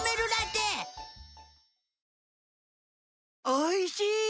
おいしい！